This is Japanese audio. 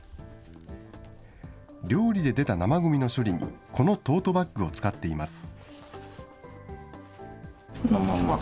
料理で出た生ごみの処理に、このトートバッグを使っています。